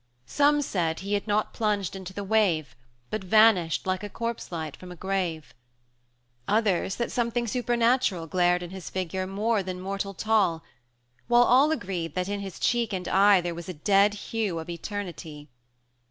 Some said he had not plunged into the wave, But vanished like a corpse light from a grave; Others, that something supernatural Glared in his figure, more than mortal tall; While all agreed that in his cheek and eye There was a dead hue of Eternity.